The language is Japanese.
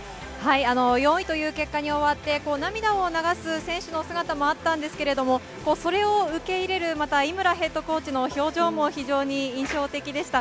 ４位という結果に終わって、涙を流す選手の姿もあったんですけれど、それを受け入れる井村ヘッドコーチの表情も非常に印象的でした。